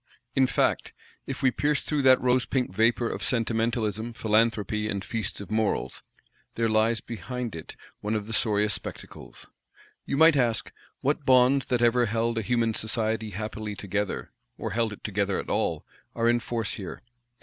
In fact, if we pierce through that rosepink vapour of Sentimentalism, Philanthropy, and Feasts of Morals, there lies behind it one of the sorriest spectacles. You might ask, What bonds that ever held a human society happily together, or held it together at all, are in force here?